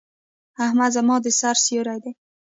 احمد زما د سر سيور دی.